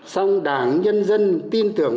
song đảng nhân dân tin tưởng